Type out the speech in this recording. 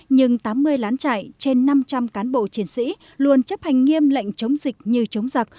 nhưng tám mươi lán trại trên năm trăm linh cán bộ chiến sĩ luôn chấp hành nghiêm lệnh chống dịch như chống giặc